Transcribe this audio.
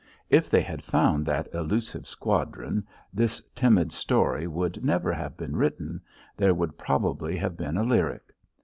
If they had found that elusive squadron this timid story would never have been written; there would probably have been a lyric.